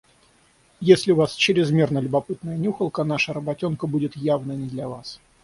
Если у вас чрезмерно любопытная нюхалка, наша работёнка будет явно не для вас.